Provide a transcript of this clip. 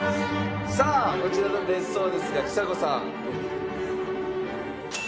さあこちらの別荘ですがちさ子さん。